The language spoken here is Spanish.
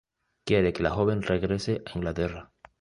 Quiere que la joven regrese a Inglaterra.